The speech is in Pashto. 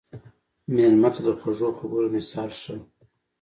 مېلمه ته د خوږو خبرو مثال شه.